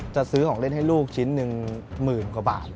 จะซื้อของเล่นให้ลูกชิ้นหนึ่งหมื่นกว่าบาท